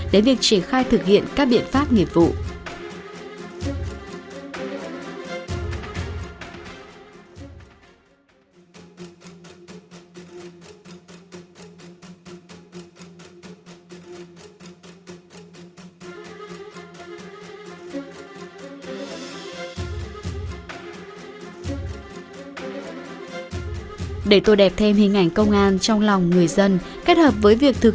đến việc triển khai thực hiện các biện pháp nghiệp vụ